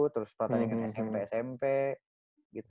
terus pertanyakan smp smp gitu